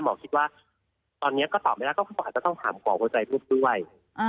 หมอคิดว่าตอนนี้ก็ตอบไม่ได้ก็ความเป็นว่าต้องถามบอกหัวใจทุกด้วย